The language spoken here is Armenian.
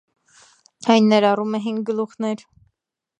Այն ներառում է հինգ գլուխներ։